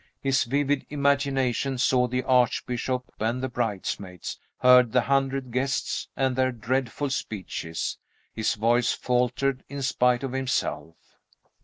His vivid imagination saw the Archbishop and the bridesmaids, heard the hundred guests and their dreadful speeches: his voice faltered, in spite of himself.